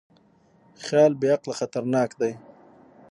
خیال بېعقله خطرناک دی.